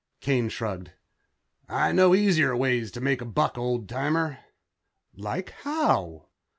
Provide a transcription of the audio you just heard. Kane shrugged. "I know easier ways to make a buck, old timer." "Like how?"